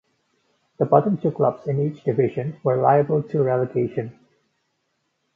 The bottom two clubs in each division were liable to relegation.